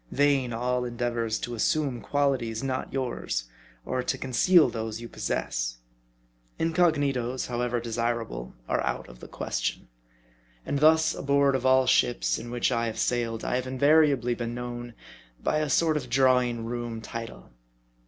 Vain all endeavors to assume qualities not yours ; or to conceal those you pos sess. Incognitos, however desirable, are out of the ques tion. Arid thus aboard of all ships in which I have sailed, I have invariably been known by a sort of drawing room title.